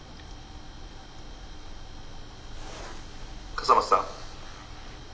「笠松さん？」。